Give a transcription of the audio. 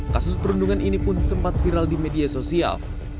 kasus perundungan ini pun sempat viral di media sosial